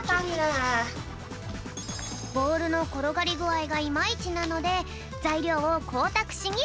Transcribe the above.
ボールのころがりぐあいがいまいちなのでざいりょうをこうたくしにへんこう。